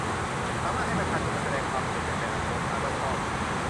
สามารถให้ประชาชนมาแสดงความเห็นในแต่ละโครงการว่าชอบ